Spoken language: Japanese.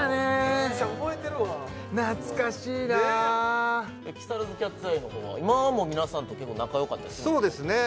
めっちゃ覚えてるわ懐かしいなあ「木更津キャッツアイ」の方は今も皆さんと結構仲良かったりそうですね